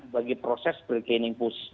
bagi proses bergening posisi